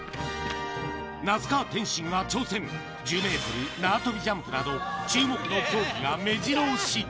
那須川天心が挑戦、１０メートル縄跳びジャンプなど、注目の競技がめじろ押し。